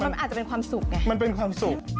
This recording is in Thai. มันอาจจะเป็นความสุขไงมันเป็นความสุข